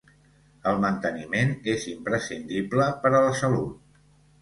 El manteniment és imprescindible per a la salut.